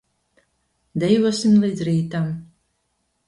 Dejosim līdz rītam.